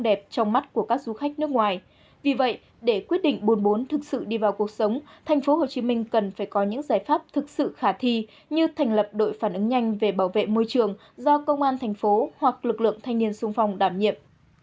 để quyết định bốn bốn thực sự đi vào cuộc sống thành phố hồ chí minh cần phải có những giải pháp thực sự khả thi như thành lập đội phản ứng nhanh về bảo vệ môi trường do công an thành phố hoặc lực lượng thanh niên sung phong đảm nhiệm